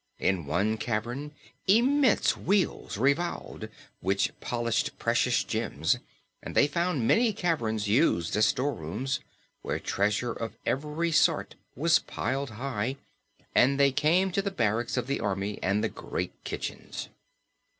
In one cavern immense wheels revolved which polished precious gems, and they found many caverns used as storerooms, where treasure of every sort was piled high. Also they came to the barracks of the army and the great kitchens.